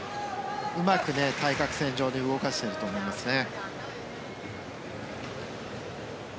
うまく対角線上に動かしていると思いますね。